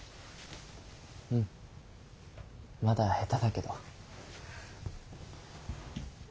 うんまだ下手だけど。